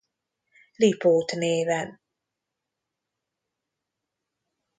Lipót néven.